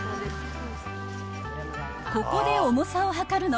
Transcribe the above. ここで重さを量るの。